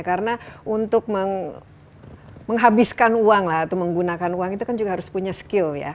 karena untuk menghabiskan uang atau menggunakan uang itu kan juga harus punya skill ya